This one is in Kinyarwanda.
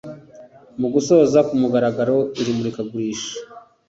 Mu gusoza ku mugaragaro iri murikagurisha